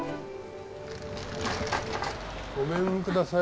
ごめんください。